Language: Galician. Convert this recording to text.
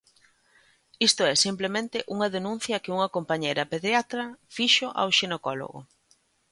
Isto é simplemente unha denuncia que unha compañeira pediatra fixo ao xinecólogo.